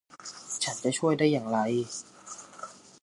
ฉันจะช่วยได้อย่างไร